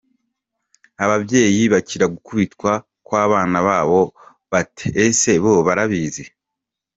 Ababyeyi bakira gukubitwa kw’abana babo bate ? ese bo barabizi ?.